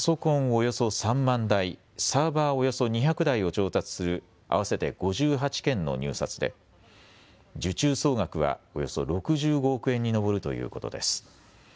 およそ３万台、サーバーおよそ２００台を調達する合わせて５８件の入札で受注総額はおよそ６５億円に上るということです。